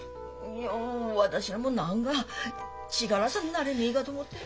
いや私らも何か力さなれねえかと思って。